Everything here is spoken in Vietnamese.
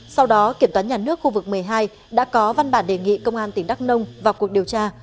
sau đó kiểm toán nhà nước khu vực một mươi hai đã có văn bản đề nghị công an tỉnh đắk nông vào cuộc điều tra